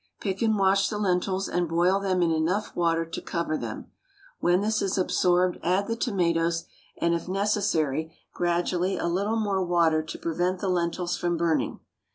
Pick and wash the lentils, and boil them in enough water to cover them; when this is absorbed add the tomatoes, and if necessary gradually a little more water to prevent the lentils from burning.